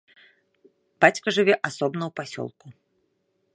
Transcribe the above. Бацька жыве асобна ў пасёлку.